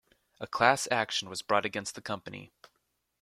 A class action was brought against the company.